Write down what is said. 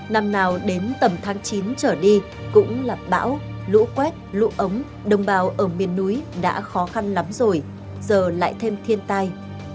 năm nào đến tầm tháng chín trở đi cũng là bão lũ quét lũ ống đồng bào ở miền núi đã khó khăn lắm rồi giờ lại thêm thiên tai